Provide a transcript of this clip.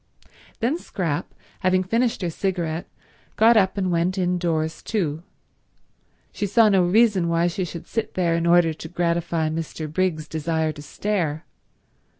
Then Scrap, having finished her cigarette, got up and went indoors too. She saw no reason why she should sit there in order to gratify Mr. Briggs's desire to stare.